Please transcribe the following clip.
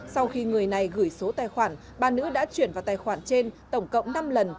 sau khi người này gửi số tài khoản bà nữ đã chuyển vào tài khoản trên tổng cộng năm lần